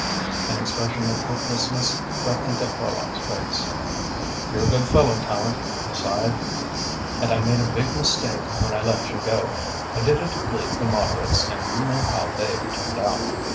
An expression of hopelessness crept into Horlock's face. "You're a good fellow, Tallente," he sighed, "and I made a big mistake when I let you go. I did it to please the moderates and you know how they've turned out.